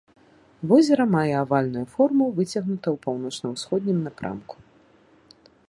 Возера мае авальную форму, выцягнута ў паўночна-ўсходнім напрамку.